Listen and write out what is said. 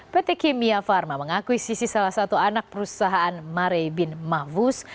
pt kimia pharma mengakuisisi salah satu anak perusahaan mari bin mahfuz